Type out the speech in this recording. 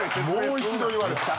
・もう一度言われた